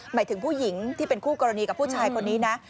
หมายถึงผู้หญิงที่เป็นคู่กรณีกับผู้ชายคนนี้นะ